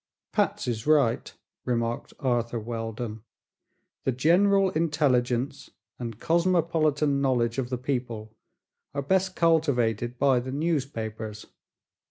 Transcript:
"Patsy's right," remarked Arthur Weldon. "The general intelligence and cosmopolitan knowledge of the people are best cultivated by the newspapers.